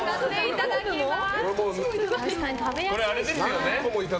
いただきます。